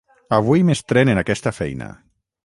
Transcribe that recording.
Avui m'estrén en aquesta feina.